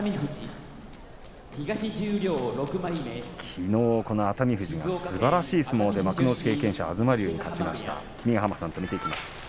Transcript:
きのう、この熱海富士がすばらしい相撲で幕内経験者東龍に勝ちました。